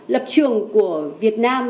lập trường của việt nam